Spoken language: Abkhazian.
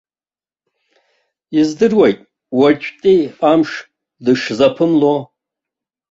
Издыруеит уаҵәтәи амш дышзаԥымло.